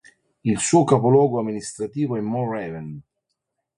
Il suo capoluogo amministrativo è Moore Haven.